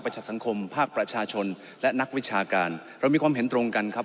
จากสังคมภาคประชาชนและนักวิชาการเรามีความเห็นตรงกันครับ